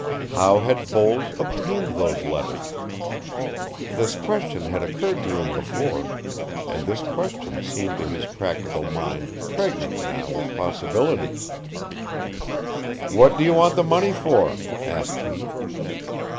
How had Voles obtained those letters? This question had occurred to him before, and this question seemed to his practical mind pregnant now with possibilities. "What do you want the money for?" asked he.